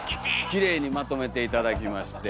きれいにまとめて頂きまして。